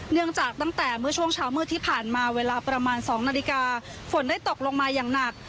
เนื่องจากตั้งแต่เมื่อช่วงเช้ามืดที่ผ่านมาเวลาประมาณ๒นาฬิกาฝนได้ตกลงมาอย่างหนัก